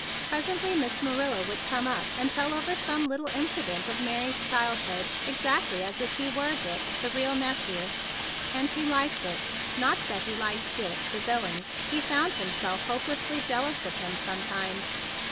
Presently Mass Manila would come up and tell over some little incident of Mary's childhood exactlv as if he were Dick. we the real nephew; and he liked it. Not that he liked Dick, the villain! He found himself hopelessly jealous of him sometimes.